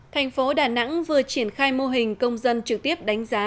thành phố đà nẵng vừa triển khai mô hình công dân trực tiếp đánh giá